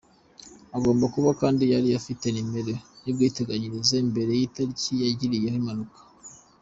Agomba kuba kandi yari afite nimero y’ubwiteganyirize mbere y’itariki yagiriyeho impanuka.